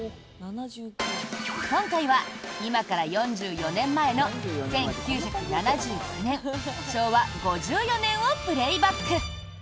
今回は今から４４年前の１９７９年、昭和５４年をプレイバック！